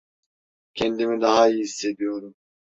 Kendimi daha iyi hissediyorum.